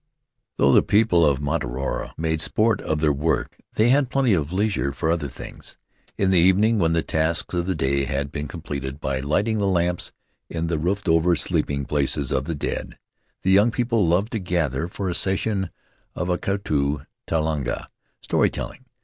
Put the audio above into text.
"Though the people of Mataora made sport of their work, they had plenty of leisure for other things. In the evening, when the tasks of the day had been completed by lighting the lamps in the roofed over sleeping places of the dead, the young people loved to gather for a session of dkatu talanga — story telling.